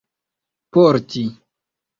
porti